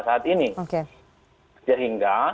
saat ini sehingga